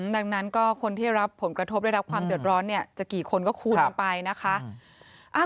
ดังนั้นก็คนที่รับผลกระทบได้รับความเดือดร้อนเนี่ยจะกี่คนก็คูณกันไปนะคะ